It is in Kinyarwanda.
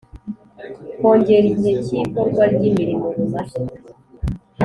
Kongera igihe cy ikorwa ry imirimo rumaze